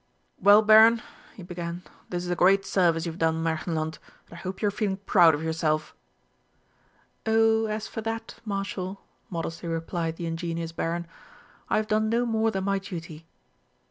"Well, Baron," he began, "this is a great service you have done Märchenland, and I hope you are feeling proud of yourself!" "Oh, as for that, Marshal," modestly replied the ingenuous Baron, "I have done no more than my duty."